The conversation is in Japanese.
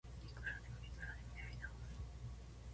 いくらでもいくらでもやり直す